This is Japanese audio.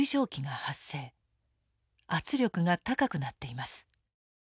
圧力が高くなっています。